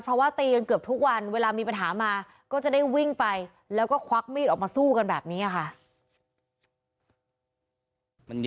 เพราะว่าตีกันเกือบทุกวันเวลามีปัญหามาก็จะได้วิ่งไปแล้วก็ควักมีดออกมาสู้กันแบบนี้ค่ะ